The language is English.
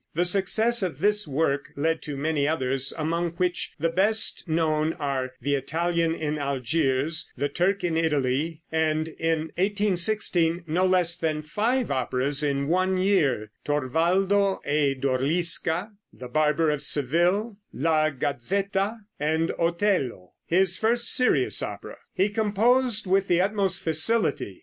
The success of this work led to many others, among which the best known are "The Italian in Algiers," "The Turk in Italy," and (in 1816) no less than five operas in one year "Torvaldo e Dorliska," "The Barber of Seville," "La Gazetta" and "Otello," his first serious opera. He composed with the utmost facility.